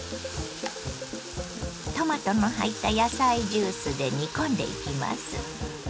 トマトの入った野菜ジュースで煮込んでいきます。